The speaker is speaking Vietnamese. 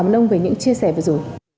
xin cảm ơn ông về những chia sẻ vừa rồi